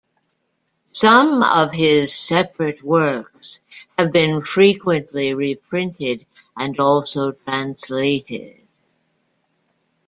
Some of his separate works have been frequently reprinted and also translated.